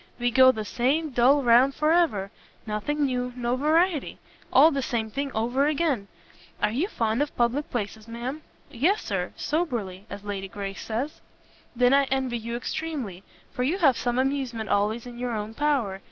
We go the same dull round for ever; nothing new, no variety! all the same thing over again! Are you fond of public places, ma'am?" "Yes, Sir, soberly, as Lady Grace says." "Then I envy you extremely, for you have some amusement always in your own power.